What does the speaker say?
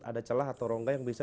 ada celah atau rongga yang bisa